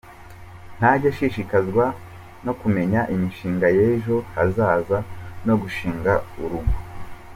Ntajya ashishikazwa no kumenya imishinga y’ejo hazaza no gushinga urugo.